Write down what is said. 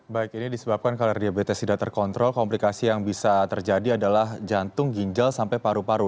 baik ini disebabkan kalau diabetes tidak terkontrol komplikasi yang bisa terjadi adalah jantung ginjal sampai paru paru